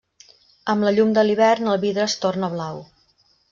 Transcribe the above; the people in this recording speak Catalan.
Amb la llum de l'hivern, el vidre es torna blau.